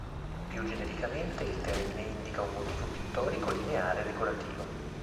Più genericamente il termine indica un motivo pittorico lineare decorativo.